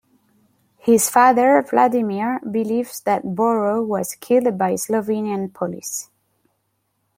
His father Vladimir believes that Boro was killed by Slovenian police.